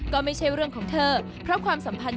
ก็ไม่ใช่เรื่องของเธอเพราะความสัมพันธ์